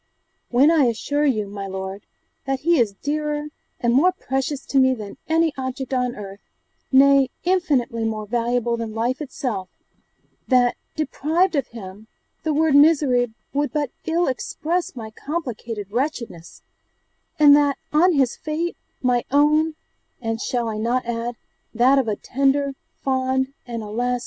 When I assure you, my lord, that he is dearer and more precious to me than any object on earth nay, infinitely more valuable than life itself that, deprived of him, the word misery would but ill express my complicated wretchedness and that, on his fate, my own, and (shall I not add?) that of a tender, fond, and alas!